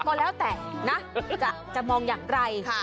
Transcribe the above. ก็แล้วแต่นะจะมองอย่างไร